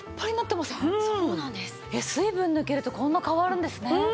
水分抜けるとこんな変わるんですね。